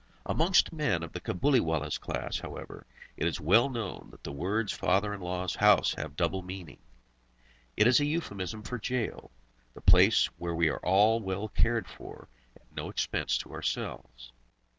Amongst men of the Cabuliwallah's class, however, it is well known that the words father in law's house have a double meaning. It is a euphemism for jail, the place where we are well cared for, at no expense to ourselves.